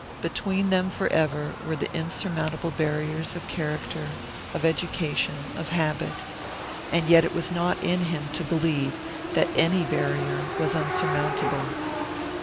Between them, forever, were the insurmountable barriers of character, of education, of habit and yet it was not in him to believe that any barrier was insurmountable.